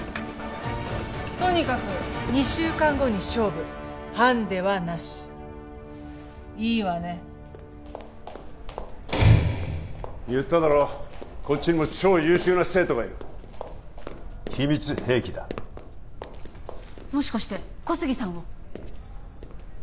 とにかく２週間後に勝負ハンデはなしいいわね言っただろこっちにも超優秀な生徒がいる秘密兵器だもしかして小杉さんを？